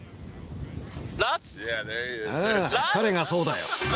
ああ彼がそうだよ。